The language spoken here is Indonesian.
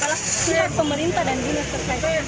seharusnya adalah surat pemerintah dan dinas kesehatan